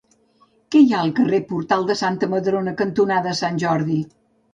Què hi ha al carrer Portal de Santa Madrona cantonada Sant Jordi?